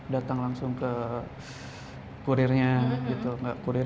datang langsung ke kurirnya gitu kurir